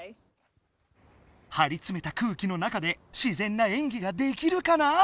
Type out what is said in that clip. はりつめた空気の中でしぜんな演技ができるかな？